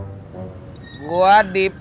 tunggu bentar gue coba telfon si udin